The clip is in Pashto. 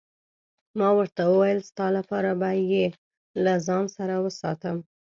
ما ورته وویل: ستا لپاره به يې له ځان سره وساتم.